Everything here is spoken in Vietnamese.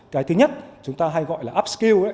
cái thứ nhất chúng ta hay gọi là upskill